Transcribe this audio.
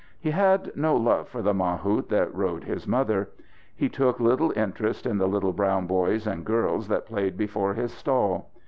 He had no love for the mahout that rode his mother. He took little interest in the little brown boys and girls that played before his stall.